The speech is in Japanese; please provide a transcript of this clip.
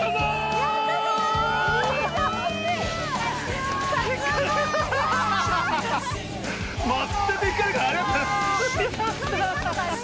やった